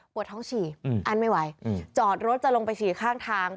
ท้องฉี่อั้นไม่ไหวจอดรถจะลงไปฉี่ข้างทาง